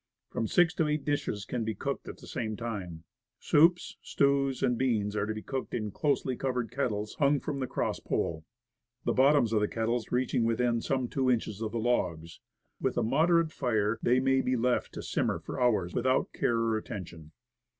From six to eight dishes can be cooked at the same time. Soups, stews, and beans are to be cooked in closely covered kettles hung from the cross pole, the bottoms of the kettles reaching within some two inches of the logs. With a moderate fire they may be left to sim mer for hours without care or attention.